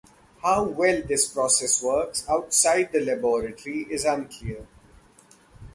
How well this process works outside the laboratory is unclear.